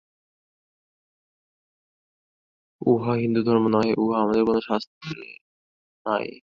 উহা হিন্দুধর্ম নহে, উহা আমাদের কোন শাস্ত্রে নাই।